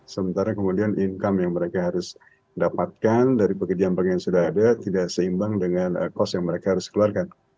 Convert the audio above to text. sementara kemudian income yang mereka harus dapatkan dari pekerjaan pekerjaan yang sudah ada tidak seimbang dengan cost yang mereka harus keluarkan